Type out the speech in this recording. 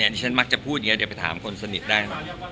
ดิฉันมักจะพูดอย่างนี้เดี๋ยวไปถามคนสนิทได้หน่อย